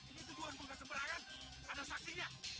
ini tujuan penggantian perangan mana saksinya